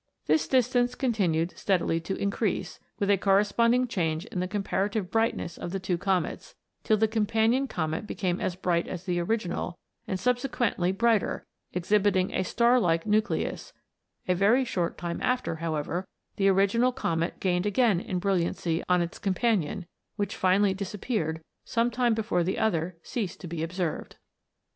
This distance continued steadily to increase, with a corresponding change in the comparative brightness of the two Comets, till the companion Comet be came as bright as the original, and subsequently brighter, exhibiting a star like nucleus ; a very short time after, how ever, the original Comet gained again in brilliancy on its companion, which finally disappeared some time before the other ceased to be observed.